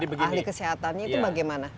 ahli kesehatannya itu bagaimana